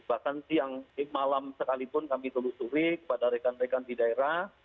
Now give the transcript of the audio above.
bahkan siang malam sekalipun kami telusuri kepada rekan rekan di daerah